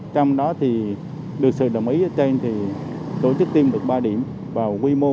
trong đó thì được sự đồng ý trên thì tổ chức tiêm được ba điểm